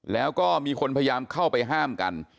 แล้วก็มีคนพยายามเข้าไปห้ามกัน